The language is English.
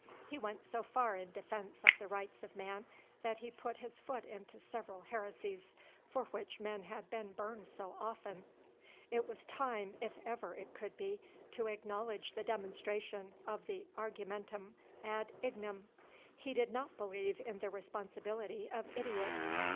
He went so far in defence of the rights of man, that he put his foot into several heresies, for which men had been burned so often, it was time, if ever it could be, to acknowledge the demonstration of the argumentum ad ignem. He did not believe in the responsibility of idiots.